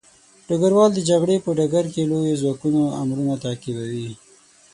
ډګروال د جګړې په ډګر کې د لويو ځواکونو امرونه تعقیبوي.